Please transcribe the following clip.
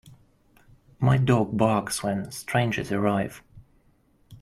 My dog barks when strangers arrive.